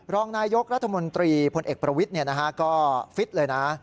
รองนายกรัฐมนตรีพลเอกประวิทย์ก็ฟิตเลยนะ